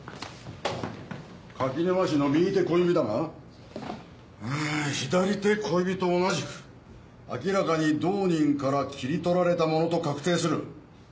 垣沼氏の右手小指だが左手小指と同じく明らかに同人から切り取られたものと確定する。